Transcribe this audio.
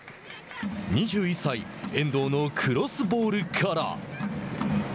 ２１歳遠藤のクロスボールから。